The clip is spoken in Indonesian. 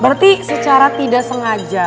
berarti secara tidak sengaja